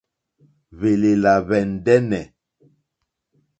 Hwèlèlà hwɛ̀ ndɛ́nɛ̀.